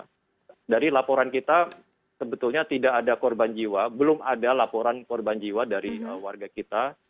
nah dari laporan kita sebetulnya tidak ada korban jiwa belum ada laporan korban jiwa dari warga kita